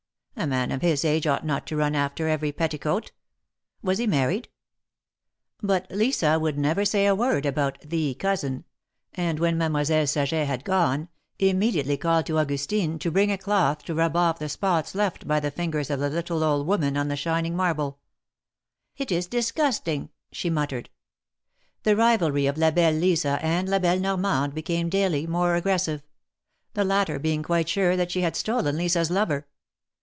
A man of his age ought not to run after every petticoat. Was he married ? But Lisa would never say a word about " the cousin," and when Mademoiselle Saget had gonfe, immediately called to Augustine to bring a cloth to rub off the spots left by the fingers of the little old woman on the shining marble. 164 THE MARKETS OF PARIS. It is disgusting !" she muttered. The rivalry of La belle Lisa and La belle Normande be came daily more aggressive — the latter being quite sure that she had stolen Lisa's lover.